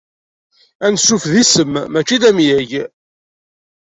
Ansuf d isem mačči d amyag.